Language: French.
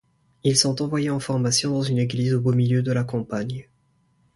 Ils sont envoyés en formation dans une église au beau milieu de la campagne.